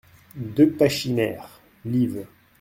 deux Pachymère, liv.